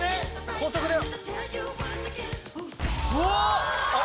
高速だよ。